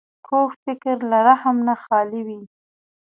کوږ فکر له رحم نه خالي وي